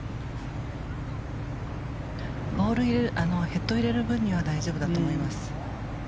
ヘッドを入れる分には大丈夫だと思います。